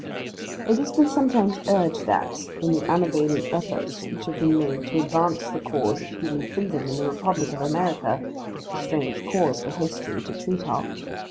It has been sometimes urged that, in the unavailing efforts which have been made to advance the cause of Human Freedom in the republic of America (strange cause for history to treat of!)